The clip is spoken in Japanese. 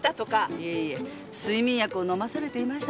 いえいえ睡眠薬を飲まされていました。